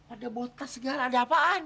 ada botol segala ada apaan